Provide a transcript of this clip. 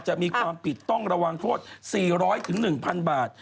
จะมีความผิดต้องระวังโทษ๔๐๐๑๐๐บาท